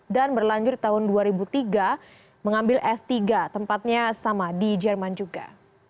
dan berlanjur tahun dua ribu tiga mengambil s tiga tempatnya sama di jerman juga